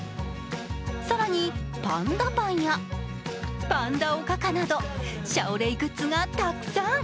更にパンダパンやパンダおかかなど、シャオレイグッズがたくさん！